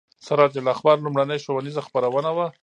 سراج الاخبار لومړنۍ ښوونیزه خپرونه وه.